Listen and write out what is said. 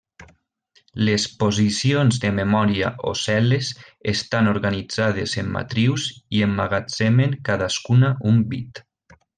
Les posicions de memòria o cel·les, estan organitzades en matrius i emmagatzemen cadascuna un bit.